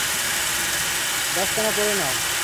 দস্তানা পড়ে নাও।